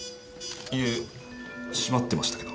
いえ締まってましたけど。